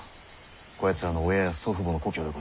こやつらの親や祖父母の故郷でござる。